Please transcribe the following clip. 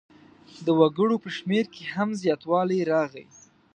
د وګړو په شمېر کې هم زیاتوالی راغی.